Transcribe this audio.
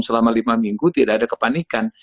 selama lima minggu tidak ada kepanikan